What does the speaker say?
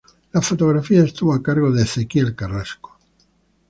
La fotografía estuvo a cargo de Ezequiel Carrasco.